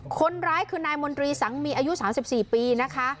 คนร้ายคือนายมนตรีสังมีอายุ๓๔ปีนะคะ